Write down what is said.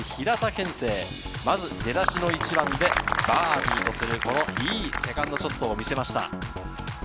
憲聖、出だしの１番でバーディーとすると、いいセカンドショットを見せました。